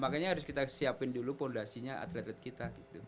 makanya harus kita siapin dulu fondasinya atletet kita gitu